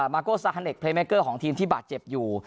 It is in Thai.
มาโกซาฮาเนคเพลย์เมเกอร์ของทีมที่บาดเจ็บอยู่